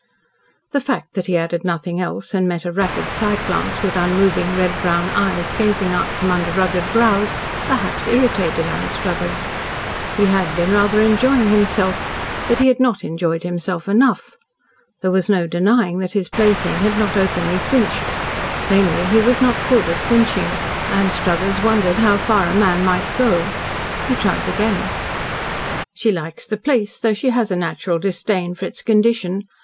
The fact that he added nothing else and met a rapid side glance with unmoving red brown eyes gazing out from under rugged brows, perhaps irritated Anstruthers. He had been rather enjoying himself, but he had not enjoyed himself enough. There was no denying that his plaything had not openly flinched. Plainly he was not good at flinching. Anstruthers wondered how far a man might go. He tried again. "She likes the place, though she has a natural disdain for its condition.